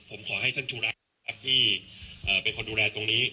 ผมขอให้ท่านชูรัฐครับที่เป็นคนดูแลตรงนี้